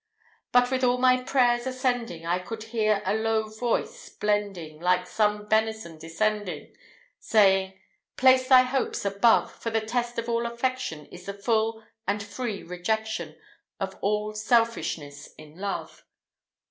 But, with all my prayers ascending, I could hear a low voice blending, Like some benison descending, Saying, "Place thy hopes above; For the test of all affection Is the full and free rejection Of all selfishness in love."